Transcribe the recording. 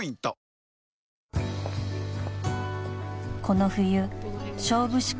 ［この冬勝負師